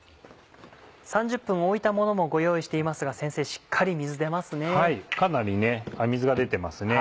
３０分置いたものもご用意していますがしっかり水出ますね。